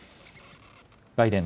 バイデン